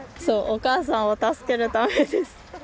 お母さんを助けるためです。